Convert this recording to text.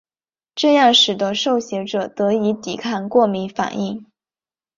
这样使得受血者得以抵抗过敏反应。